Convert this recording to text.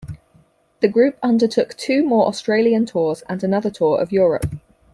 The group undertook two more Australian tours and another tour of Europe.